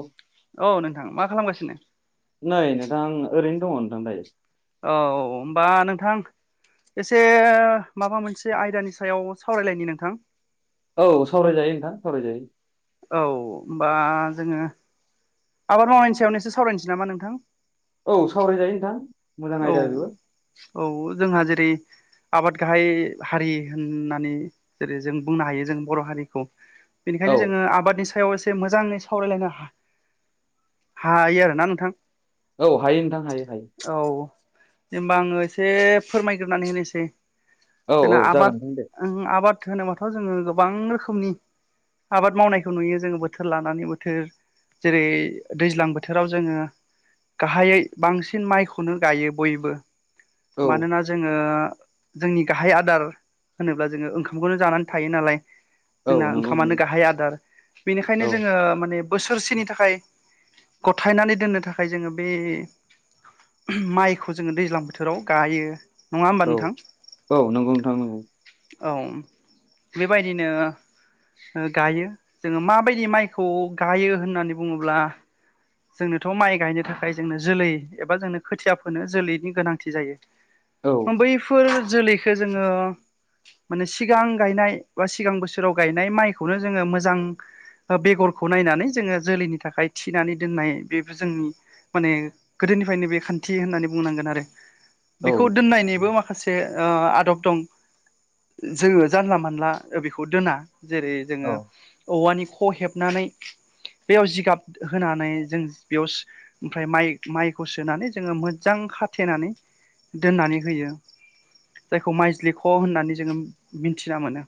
औ। औ नोंथां मा खालामगासिनो? नै नोंथां आं ओरैनो दङ नोंथां दायो। औ औ हबा नोंथां एसे माबा मोनसे आयदानि सायाव सावरायलायनि नोंथां औ सावरायजायो नोंथां सावराय जायो। औ होमबा जोङो आबाद मावनायनि सायाव एस सावरायसै नामा नोंथां? औ सावरायजायो नोंथां। मोजां औ आयदा बेबो औ जोंहा जेरै आबाद गाहाय हारि होननानै जेरै जों बुंनो हायो जों बर' हारिखौ औ बेनिखायनो जो आबादनि सा सायाव एसे मोजाङै सावरायलायनो हा -हायो आरोना नोंथां? औ हायो नोंथां हायो हायो। औ जेनबा आङो एसे फोरमायग्रोनानै होनोसै। औ जोंना औ जागोन आबाद नोंथां दे आबाद होनोबाथ' जोङो गोबां रोखोमनि आबाद मावनायखौ नुयो जोङो बोथोर लानानै बोथोर जेरै दैज्लां बोथोराव जोङो गाहायै बांसिन माइखौनो गायो बयबो औ मानोना जोङो जोंनि गाहाय आदार होनोब्ला जोङो ओंखामखौनो जानानै थायो नालाय औ जोंना नंगौ ओंखामानो नंगौ गाहाय आदार बेनिखायनो औ जोङो माने बोसोरसेनि थाखाय गथायनानै दोननो थाखाय जोङो बे माइखौ जोङो दैज्लां बोथोराव गायो नङा होमबा औ नोंथां? औ नंगौ नोंथां नंगौ औ बेबायदिनो गायो जोङो माबायदि माइखौ गायो होननानै बुङोब्ला जोंनोथ' माइ गायनो थाखाय जोंनो जोलै एबा जोंनो खोथिया फोनो जोलैनि गोनांथि जायो। औ। बैफोर जोलैखो जोङो माने सिगां गायनाय बा सिगां बोसोराव गायनाय माइखौनो जोङो मोजां बेगरखौ नायनानै जोङो जोलैनि थाखाय थिनानै दोननाय बेबो जोंनि माने गोदोनिफ्रायनो बे खान्थि होननानै बुंनांगोन आरो औ बेखौ दोननायनिबो माखासे आदब दं। जोङो जानला मानला बेखौ दोना जेरै औ जोङो औवानि ख' हेबनानै बेयाव जिगाब होना नै जों बेयाव ओमफ्राय माइ माइखौ सोनानै जोङो मोजां खाथेनानै दोननानै होयो। जायखौ माइज्लिख' होननानै जोङो मिथिना मोनो।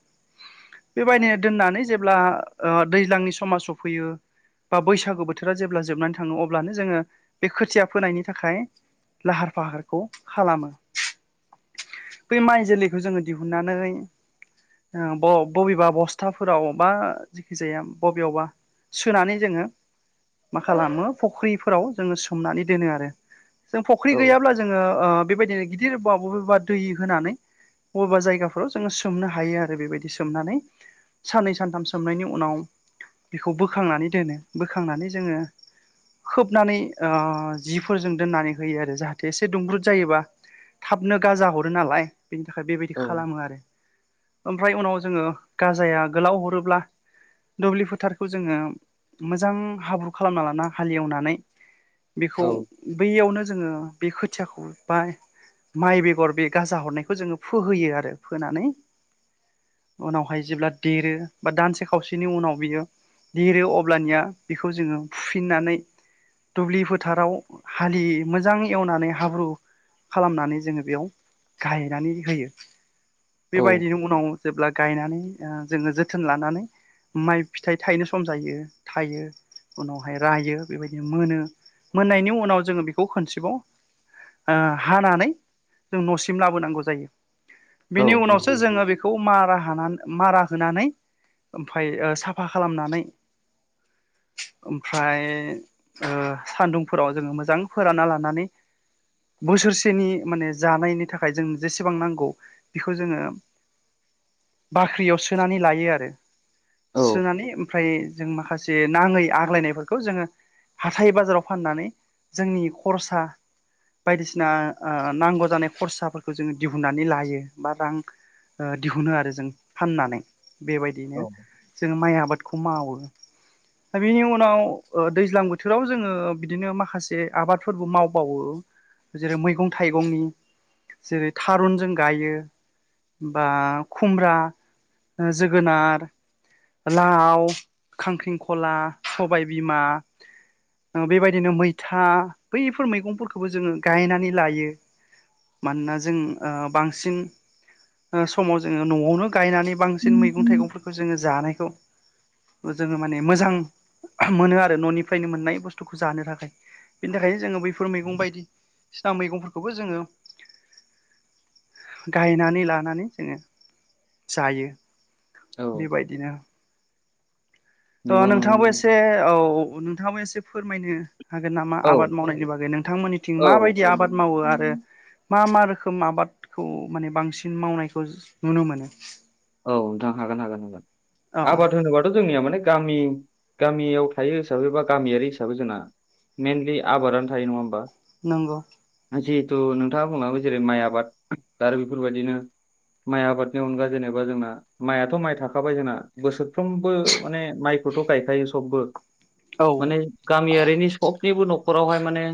बेबायदिनो दोननानै जेब्ला दैज्लांनि समाजाव फैयो बा बैसागो बोथोर बोथोरा जेब्ला जोबनानै थाङो अब्लानो जोङो बे खोथिया फोनायनि थाखाय लाहार फाहारखौ खालामो। बै माइ जोलैखौ जोङो दिहुननानै, बबेबा बस्थाफोरावबा जेखि जाया बबेयावबा, सोनानै जोङो, मा खालामो फुख्रिफोराव जोङो सोमनानै दोनो आरो जों औ फुख्रि गैयाब्ला, जोङो ओ बेबायदिनो गिदिर बा बबेबा दै होनानै, बबेबा जायगाफोराव जोङो सोमनो हायो आरो बेबायदि सोमनानै, साननै सानथाम सोमनायनि उनाव बेखौ बोखांनानै दोनो बोखांनानै, जोङो खोबनानै ओ जिफोरजों दोननानै होयो आरो जाहाथे एसे दुंब्रुद जायोबा, थाबनो गाजा हरो नालाय बेनि थाखाय बेबायदि औ खालामो आरो ओमफ्राय उनाव जोङो गाजाया आगोलाव हरोब्ला, दुब्लि फोथारखौ जोङो मोजां हाब्रु, खालामना लाना हालेएवनानै बेखौ, बैयावनो जोङो बे खोथियाखौ बा माइ बेगर बे गाजा हरनायखौ जोङो फोहोयो आरो फोनानै, उनावहाय जेब्ला देरो बा दानसे खावसेनि उनाव बियो, दिरो अब्लानिया बेखौ जोङो फुफिननानै, दुब्लि फोथाराव हालि मोजां एवनानै हाब्रु खालामनानै जोंङो बेयाव गायनानै होयो औ बेबायदिनो उनाव जेब्ला, गायनानै जोंङो जोथोन लानानै माइ फिथाइ थायनो सम जायो थायो। उनावहाय रायो बेबायदि मोनो मोननायनि उनाव जोंङो बेखौ खनसेबाव, ओ हानानै जों न'सिम लाबोनांगौ जायो औ बेनि नंगौ उनावसो जोंङो बेख खौ मारा हानानै मारा होनानै ओमफाय ओ साफा खालामनानै, ओमफ्राय ओ‌ सान्दुंफोराव जोंङो मोजां फोरानना लानानै, बोसोरसेनि माने जानायनि थाखाय जों जेसेबां नांगौ। बेखौ जोंङो बाख्रियाव सोनानै लायो आरो औ सुनानै ओमफ्राय जों माखासे, नांङै आग्लायनायफोरखौ जोंङो हाथाय बाजाराव फाननानै जोंनि खरसा, बायदिसिना ओ नांगौ जानाय खरसाफोरखौ जोंङो दिहुननानै लायो बा रां दिहुनो आरो जों फाननानै औ बेबायदिनो जों माइ आबादखौ मावो, दा बिनि उनाव दैज्लां बोथोराव जोंङो बिदिनो माखासे आबादफोरबो मावबावो, जेरै मैगं थाइगंनि जेरै थारुनजों गायो। बा खुमब्रा जोगोनार, लाव खांख्रिंखला सबाय बिमा, बेबायदिनो मैथा बैफोर मैगंफोरखौबो जोंङो गायनानै लायो। मानोना जों ओ बांसिन, ओ समाव जोंङो न'आवनो गायनानै बांसिन मैगं थाइगंफोरखौ जोंङो जानायखौ, जोंङो माने मोजां मोनो आरो न'निफ्रायनो मोननाय बुस्थुखौ जानो थाखाय, बेनि थाखायनो जोंङो बैफोर मैगं बायदिसिना मैगंफोरखौबो जोंङो। गायनानै लानानै जोंङो जायो औ बेबायदिनो, अ नंगौ नंगौ नोंथांङाबो एसे औ नोंथांङाबो एसे फोरमायनो, हागोन नामा? औ आबाद मावनायनि बागै नोंथांमोननिथिं औ औ माबायदि आबाद मावो आरो मा मा रोखोम आबादखौ माने बांसिन मावनायखौ नुनो मोनो? औ नोंथां हागोन हागोन हागोन औ आबाद होनोबाथ' जोंनिया माने गामि गामियाव थायो हिसाबै बा गामियारि हिसाबै जोंना, मेनलि आबादानो थायो नंङा होमबा, नंगौ। जिहेथु नोंथांङा बुंलाङो जेरै माइ आबाद आरो बेफोरबायदिनो, माइ आबादनि अनगा जेनेबा जोंना, माइथ' माइ थाखाबाय जोंना बोसोरफ्रोमबो माने माइखौथ' गायखायो सबबो, औ माने गामियारिनि सबनिबो न'खरावहाय माने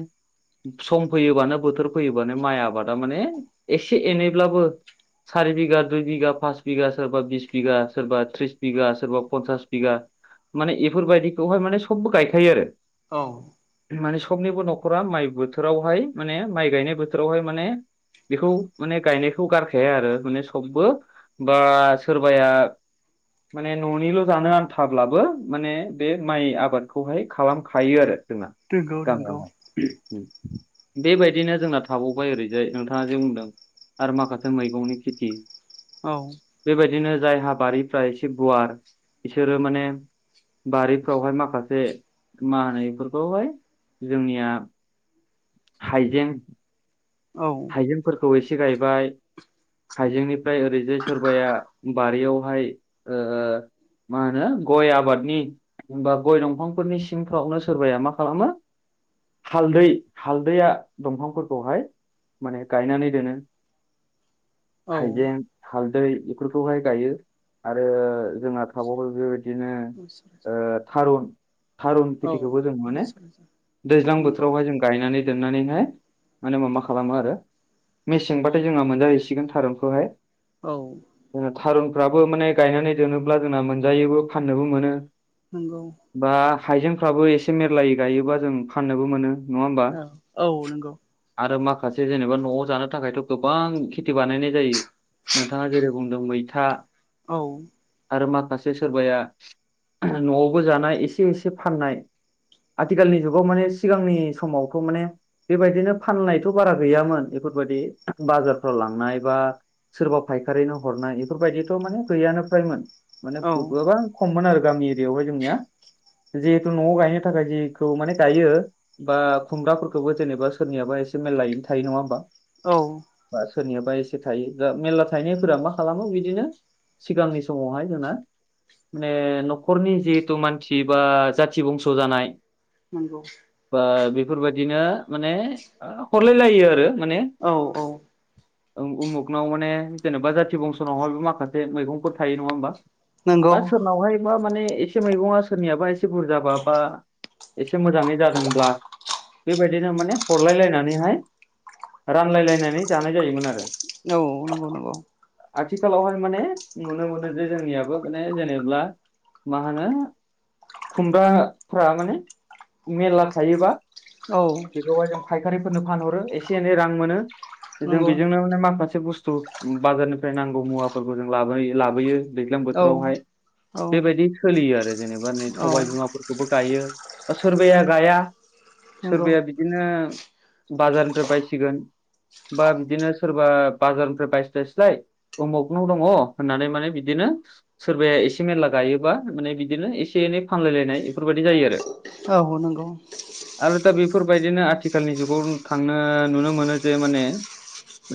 सम फैयोबानो, बोथोर फैयोबानो माइ आबादा माने एसे एनैब्लाबो सारि बिगघा दइ बिघा फास बिगा सोरबा बिस बिघा सोरबा त्रिस बिगा सोरबा पन्सास बिघा माने बेफोरबायदिखौहाय माने सब गायखायो आरो। औ। माने सबनिबो न'खरा माइ बोथोरावहाय माने माइ गायनाय बोथोरावहाय माने बेखौ माने गायनायखौ गारखाया आरो माने सबबो बा सोरबाया माने न'निल' जानो आन्थाब्लाबो माने बे माइ आबादखौहाय खालामखायो आरो जोंना। नंगौ नंगौ गामियावनो। बेबायदिनो जोंना थाबावबाय ओरैजाय नोंथांङा जे बुंदों आरो माखासे मैगंनि खेथि। औ। बेबायदिनो जायहा बारिफ्रा एसे गुवार बिसोरो माने बारिफ्रावहाय माखासे मा होनो बेफोरखौहाय जोंनिया हाइजें औ। जेंफोरखौ एसे गायबाय। हाइजेंनिफ्राय ओरैजाय सोरबाया बारियावहाय ओ मा होनो गय आबादनि बा गय दंफांफोरनि सिंफ्रावनो सोरबाया मा खालामो हालदै हालदैया दंफांफोरखौहाय माने गायनानै दोनो हाइजें हालदै बेफोरखौहाय गायो आरो जोंना थाबायबाय बेबायदि दिनो ओ थारुन थारुन औ खेथिखौबो जों माने दैज्लां नंगौ बोथोरावहाय जों गायनानै दोननानैहाय माने मा खालामो आरो मेसेंबाथाय जोंहा मोनजाहैसिगोन थारुनखौहाय। औ। थारुनफ्राबो माने गायनानै दोनोब्ला जोंना मोनजायोबो फाननोबो मोनो। नोंगौ। बा हाइजेंफ्राबो एसे मेरलायै गायोबा जों फाननोबो मोनो। नङा होमबा औ औ नंगौ आरो मा खासे जेनेबा न'आव जानो थाखायथ' गोबां खेथि बानायनाय जायो। नोंथाङा जेरै बुंदों मैथा औ। आरो माखासे सोरबाया न'आवबो जानाय एसे एसे फाननाय आथिखालनि जुगाव माने सिगांनि समावथ' माने बेबायदिनो फाननाय थ' बारा गैयामोन बेफोरबायदि बाजारफ्राव लांनाय बा सोरबा फायखारिनो हरनाय बेफोरबायदिथ' माने गैयानो फ्रायमोन माने औ गोबां खममोन आरो गामि एरियायावहाय जोंनिया जिहेथु न'आव गायनो थाखाय जिखौ माने गायो बा खुमब्राफोरखौबो जेनेबा सोरनियाबा एसे मेरलायैनो थायो नङा होमबा? औ। बा सोरनियाबा एसे थायो दा मेरला थायनायफोरा मा खालामो बिदिनो सिगांनि समावहाय जोंना माने न'खरनि जिहेथु मानसि बा जाथि बंस' जानाय नोंगौ। बा बेफोरबायदिनो माने हरलाय लायो आरो माने। औ औ। उमुगनाव माने जेनेबा जाथि बंसनावहायबो माखासे मैगंफोर थायो। नङा होमबा? नंगौ बा सोरनावहाय बा माने एसे मैगंआ सोरनियाबा एसे बुरजाबा बा एसे मोजाङै जादोंब्ला बेबायदिनो माने हरलायलायनानैहाय रानलायलायनानै जानाय जायोमोन आरो औ नंगौ नंगौ। आथिखालावहाय माने नुनो मोनो जे जोंनियाबो माने जेनेब्ला मा होनो खुमब्राफ्रा माने मेरला थायोबा औ। बेवहाय जों फायखारिफोरनो फानहरो एसे एनै रां मोनो जों नंगौ बेजोंनो माने माखासे बुस्थु बाजारनिफ्राय नांगौ मुवाफोरखौ जों लाबो लाबोयो। दैज्लां औ बोथोरावहाय औ बेबायदि सोलियो आरो जेनेबा नै औ सबाय बिमाफोर खौबो गायो सोरबाया गाया नंगौ सोरबाया बिदिनो बाजारनिफ्राय बायसिगोन बा बिदिनो सोरबा बाजारनिफ्राय बायस्लायस्लाय उमुगनाव दङ होननानै माने बिदिनो सोरबाया एसे मेरला गायोबा माने बिदिनो एसे एनै फानलायलायनाय एफोरबायदि जायो आरो। औ नंगौ। आरो दा बेफोरबायदिनो आथिखालनि जुगाव थांनो नुनो मोनो जे माने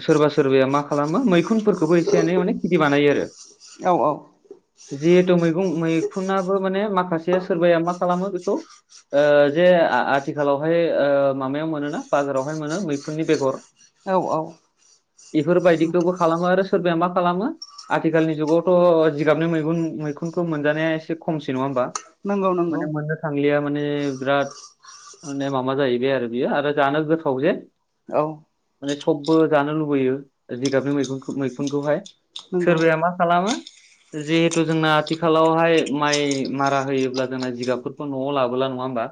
सोरबा सोरबाया मा खालामो मैखुनफोरखौबो एसे एनै माने खेथि बानायो आरो औ औ जिहेथु मैगं मैखुनाबो माने माखासेया सोरबाया मा खालामो बेखौ ओ जे आ-आथिखालावहाय ओ माबायाव मोनोना बाजारावहाय मोनो मैखुननि बेगर औ बेफोरबायदिखौबो खालामबा आरो सोरबाया मा खालामो आथिखालनि जुगावथ' जिगाबनि मैगुन मैखुनखौ मोनजानाया एसे खमसै नङा होमबा नंगौ नंगौ माने मोननो थांलिया माने बिराद माने माबा जाहैबाय आरो बियो आरो जानो गोथाव जे औ माने सबबो जानो लुबैयो जिगाबनि मैुनखुन मैखुनखौहाय नंगौ सोरबाया मा खालामो जिहेथु जोंना आथिखालावहाय माइ मारा होयोब्ला जोंना जिगाबफोर खौ न'आव लाबोला नङा होमबा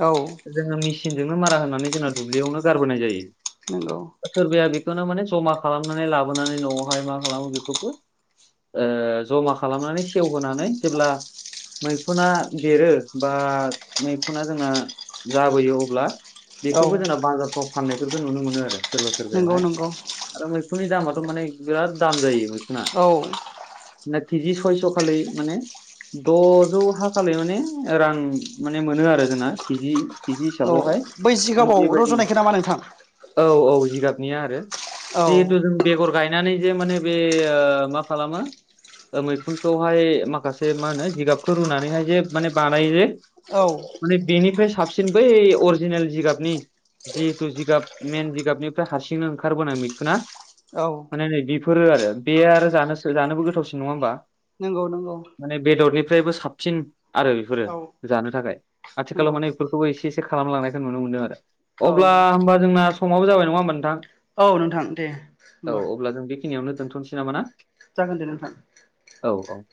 औ जोङो मेचिनजोंनो मारा होनानै जोंना दुब्लियावनो गारबोनाय जायो। नोंगौ सोरबाया बेखौनो माने जमा खालामनानै लाबोनानै न'आवहाय मा खालामो बेफोरखौ ओ जमा खालामनानै सेवहोनानै जेब्ला मैखुना देरो बा मैखुना जोंना जाबोयो अब्ला बेखौबो औ जोंना बाजारफ्राव फाननायफोरखौ नुनो मोनो आरो सोरबा नंगौ सोरबायाहाय। नंगौ आरो मैखुननि दामाथ' माने बिराद दाम जायो मैखुना। औ ना केजि सयस'खालै माने द'जौ हाखालाय माने रां माने मोनो आरो जोंना केजि। किजि औ हिसाबावहाय बै माने जिगाबाव बेबायदि रज'नायखो नामा नोंथां? औ औ जिगाबनिया आरो औ जिहेतु जों बेगर गायनानै जे माने बे ओ मा खालामो मैखुनखौहाय माखासे मा होनो जिगाबखौ रुनानैहाय जे माने बानायो जे औ [unintelligible] बेनिफ्राय साबसिन बै अर जिनेल जिगाबनि जिहेथु जिगाब मेन जिगाबनिफ्राय हारसिंनो ओंखारबोनाय मैखुना औ माने नै बेफोरो आरो बेयो आरो जानोसो जानोबो गोथावसिन नङा होमबा नंगौ नंगौ। माने बेदरनिफ्रायबो साबसिन आरो बेफोरो औ जानो थाखाय आथिखालाव नंगौ माने बेफोरखौबो एसे एसे खालामलांनायखौ नुनो मोनदों आरो अब्ला औ होमबा जोंना समाबो जाबाय नङा होमबा नोंथां? औ नोंथां दे औ होमबा अब्ला जों बेखिनियावनो दोनथ'नोसै नामा ना? जागोन दे नोंथां। औ औ